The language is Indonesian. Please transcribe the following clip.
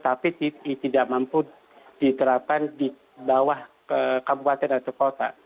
tapi tidak mampu diterapkan di bawah kabupaten atau kota